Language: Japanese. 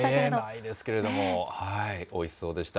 ないですけれども、おいしそうでした。